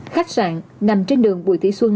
khách sạn nằm trên đường bùi thị xuân